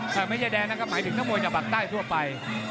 ถ้าไม่ใช่แดงก็หมายถึงจะบัลใต้ทั่วไป